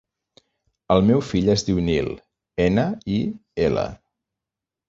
El meu fill es diu Nil: ena, i, ela.